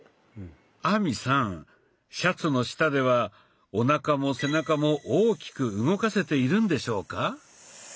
亜美さんシャツの下ではおなかも背中も大きく動かせているんでしょうか？